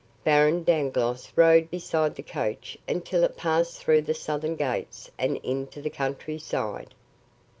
Baron Dangloss rode beside the coach until it passed through the southern gates and into the countryside.